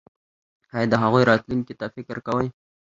ایا د هغوی راتلونکي ته فکر کوئ؟